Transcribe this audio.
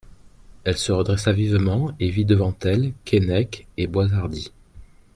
Elle se redressa vivement, et vit devant elle Keinec et Boishardy.